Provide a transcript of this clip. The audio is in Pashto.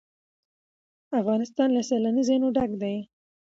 افغانستان له سیلانی ځایونه ډک دی.